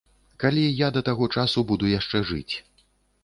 Калі я да таго часу буду яшчэ жыць.